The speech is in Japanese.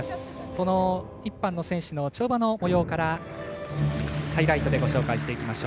その１班の選手の跳馬のもようからハイライトでご紹介していきます。